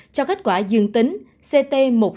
cho kết quả dương tính ct một mươi sáu năm mươi hai